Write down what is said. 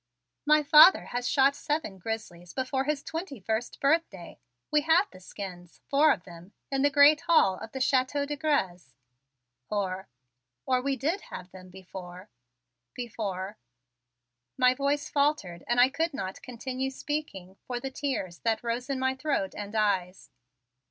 "My father had shot seven grizzlies before his twenty first birthday. We have the skins, four of them, in the great hall of the Chateau de Grez or or we did have them before before " My voice faltered and I could not continue speaking for the tears that rose in my throat and eyes.